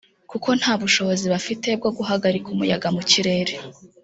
kuko nta bushobozi bafite bwo guhagarika umuyaga mu kirere